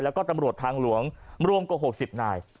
แล้วก็ตำรวจทางหลวงรวมกว่า๖๐นาย